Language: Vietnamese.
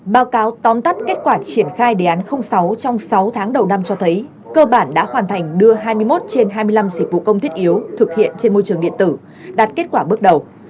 báo cáo tóm tắt kết quả triển khai đề án sáu trong sáu tháng đầu năm cho thấy cơ bản đã hoàn thành đưa hai mươi một trên hai mươi năm dịch vụ công thiết yếu thực hiện trên môi trường điện tử đạt kết quả bước đầu